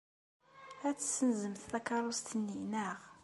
Ad tessenzemt takeṛṛust-nni, naɣ?